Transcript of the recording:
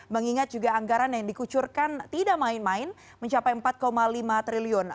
mengingat juga anggaran yang dikucurkan tidak main main mencapai empat lima triliun